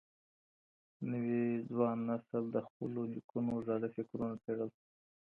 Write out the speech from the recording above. نوي ځوان نسل د خپلو نيکونو زاړه فکرونه څېړل.